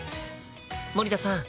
森田さん